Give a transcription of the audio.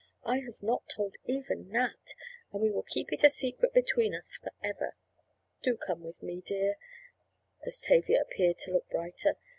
I have not told even Nat, and we will keep it a secret between us forever. Do come with me, dear," as Tavia appeared to look brighter.